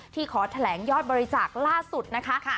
ขอแถลงยอดบริจาคล่าสุดนะคะ